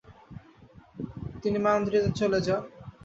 তিনি মাদ্রিদে চলে যান।